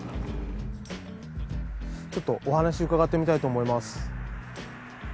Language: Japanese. ちょっとお話伺ってみたいと思います。